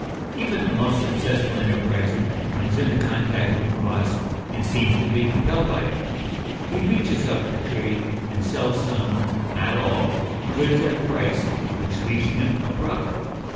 Even the most successful enterpriser comes into contact with cost, and seems to be compelled by it. He reaches out for trade, and sells some (not all) goods at a price which leaves him no profit.